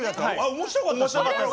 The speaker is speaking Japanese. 面白かったです。